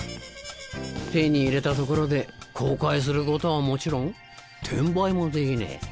手に入れたところで公開することはもちろん転売もできねえ。